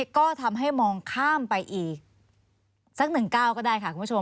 ก็ทำให้มองข้ามไปอีกสักหนึ่งก้าวก็ได้ค่ะคุณผู้ชม